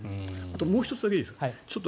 もう１つだけいいですか？